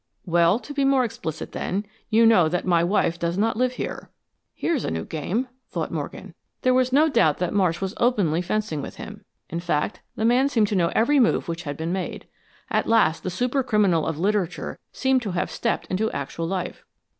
"Well, to be more explicit, then, you know that my wife does not live here." "Here's a new game," thought Morgan. There was no doubt that Marsh was openly fencing with him. In fact, the man seemed to know every move which had been made. At last the super criminal of literature seemed to have stepped into actual life.